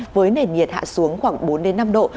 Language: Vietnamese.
với nền nhiệt hạ xuống khoảng bốn năm độ